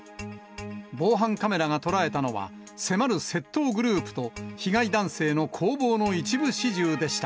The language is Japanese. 防犯カメラが捉えたのは、迫る窃盗グループと被害男性の攻防の一部始終でした。